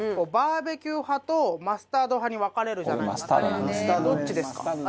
バーベキュー派とマスタード派に分かれるじゃないですか。